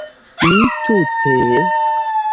Mi tute...